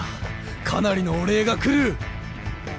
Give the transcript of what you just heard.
かなりのお礼が来る！